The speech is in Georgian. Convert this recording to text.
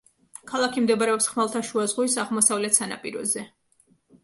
ქალაქი მდებარეობს ხმელთაშუა ზღვის აღმოსავლეთ სანაპიროზე.